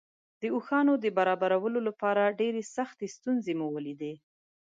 د اوښانو د برابرولو لپاره ډېرې سختې ستونزې مو ولیدې.